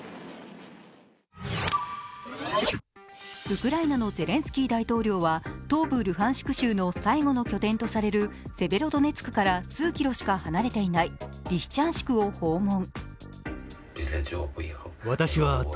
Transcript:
ウクライナのゼレンスキー大統領は東部ルハンシク州の最後の拠点とされるセベロドネツクから数キロしか離れていないリシチャンシクを訪問。